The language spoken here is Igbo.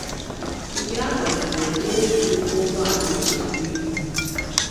nke a kwajubere n'otu nukwu ụgbọala e ji ebu ibu.